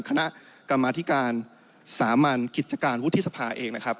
คณะกรรมธิการสามัญกิจการวุฒิสภาเองนะครับ